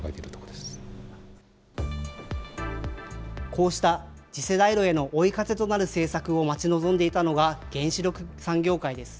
こうした次世代炉への追い風となる政策を待ち望んでいたのが、原子力産業界です。